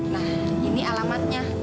nah ini alamatnya